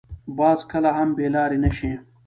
باز کله هم بې لارې نه شي